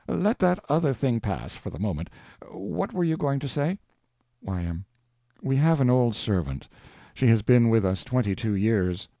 Let that other thing pass, for the moment. What were you going to say? Y.M. We have an old servant. She has been with us twenty—two years.